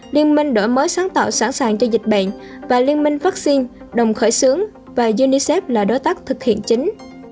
liên minh đổi mới sáng tạo sẵn sàng cho dịch bệnh và liên minh vaccine đồng khởi xướng và unicef là đối tác thực hiện chính